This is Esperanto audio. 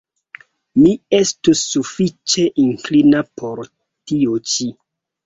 Mi estus sufiĉe inklina por tio ĉi.